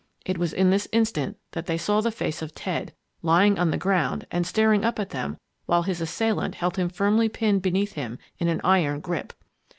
It was in this instant that they saw the face of Ted, lying on the ground and staring up at them while his assailant held him firmly pinned beneath him in an iron grip.